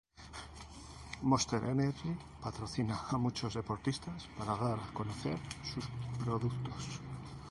Monster Energy patrocina a muchos deportistas para dar a conocer sus productos.